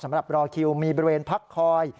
สำหรับรอคิวมีบริเวณพักคอย